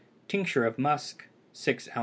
Tincture of musk 6 oz.